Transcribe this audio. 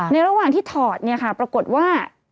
ระหว่างที่ถอดปรากฏว่า